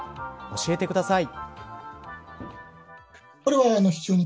教えてください。